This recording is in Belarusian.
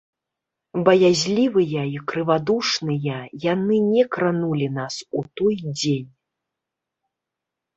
Баязлівыя і крывадушныя яны не кранулі нас у той дзень.